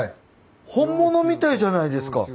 本物みたいじゃないですか。